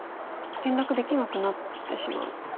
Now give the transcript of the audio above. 連絡できなくなってしまう。